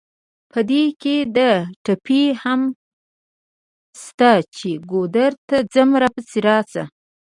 په دې کې دا ټپې هم شته چې: ګودر ته ځم راپسې راشه.